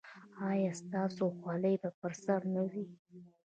ایا ستاسو خولۍ به پر سر نه وي؟